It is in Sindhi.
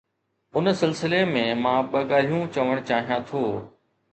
ان سلسلي ۾ مان ٻه ڳالهيون چوڻ چاهيان ٿو.